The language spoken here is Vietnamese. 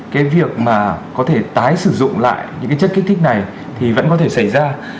cái việc mà có thể tái sử dụng lại những cái chất kích thích này thì vẫn có thể xảy ra